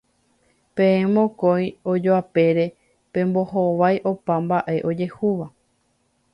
Peẽ mokõi ojoapére pembohovái opa mba'e ojehúva